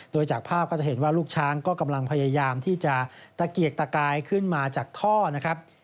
โดยจากภาพก็จะเห็นว่าลูกช้างก็กำลังพยายามที่จะตะเกียกตะกายขึ้นมาจากท่อนะครับ